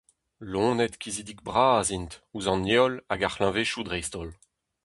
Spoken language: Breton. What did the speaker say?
Loened kizidik-bras int, ouzh an heol hag ar c'hleñvedoù dreist-holl.